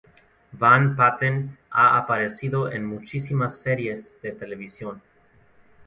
Van Patten ha aparecido en muchísimas series de televisión.